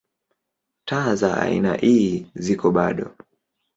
Taa za aina ii ziko bado.